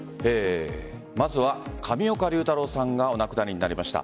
まずは上岡龍太郎さんがお亡くなりになりました。